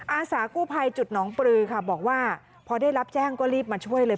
อาสากู้ภัยจุดหนองปลือค่ะบอกว่าพอได้รับแจ้งก็รีบมาช่วยเลย